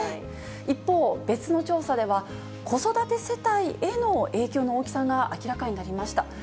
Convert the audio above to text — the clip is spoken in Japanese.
一方、別の調査では、子育て世帯への影響の大きさが明らかになりました。